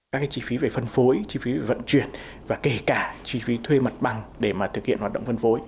các chi phí về phân phối chi phí về vận chuyển và kể cả chi phí thuê mặt bằng để thực hiện hoạt động phân phối